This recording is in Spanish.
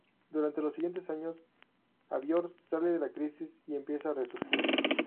Durante los siguientes años, Avior sale de la crisis y empieza a resurgir.